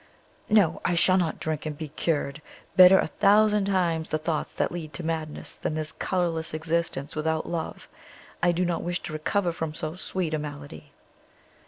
_ "No, I shall not drink and be cured! Better a thousand times the thoughts that lead to madness than this colorless existence without love. I do not wish to recover from so sweet a malady."